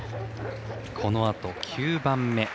このあと９番目。